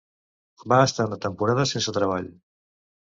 Va estar una temporada sense treball.